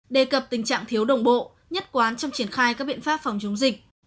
đề cập tình trạng thiếu đồng bộ nhất quán trong triển khai các biện pháp phòng chống dịch